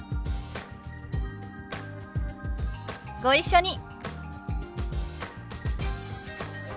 ご一緒に。